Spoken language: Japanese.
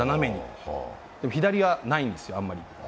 でも、左はないんですよ、あんまり。